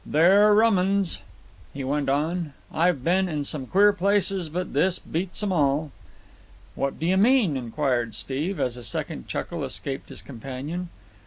"They're rum uns," he went on. "I've been in some queer places, but this beats 'em all." "What do you mean?" inquired Steve, as a second chuckle escaped his companion.